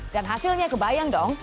dan hasilnya kebayang dong